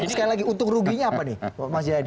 sekali lagi untung ruginya apa nih pak jaya